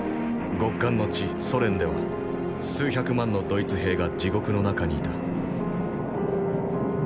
ソ連では数百万のドイツ兵が地獄の中にいた。